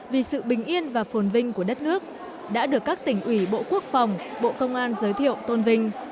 vì sự bình yên và phồn vinh của đất nước đã được các tỉnh ủy bộ quốc phòng bộ công an giới thiệu tôn vinh